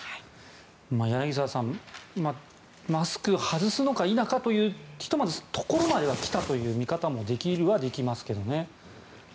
柳澤さん、マスクを外すのか否かというところまでは来たという見方もできはしますけどね。